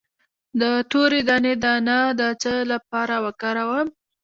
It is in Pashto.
د تورې دانې دانه د څه لپاره وکاروم؟